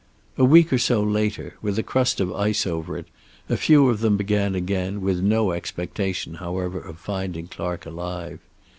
A week or so later, with a crust of ice over it, a few of them began again, with no expectation, however, of finding Clark alive.